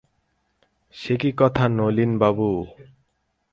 সে কি কথা নলিনবাবু!